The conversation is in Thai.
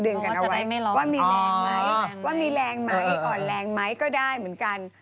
เดินกันเอาไว้ว่ามีแรงไหมอ่อนแรงไหมก็ได้เหมือนกัน